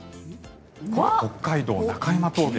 北海道・中山峠。